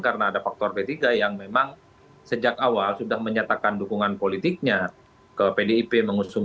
karena ada faktor p tiga yang memang sejak awal sudah menyatakan dukungan politiknya ke pdip mengusung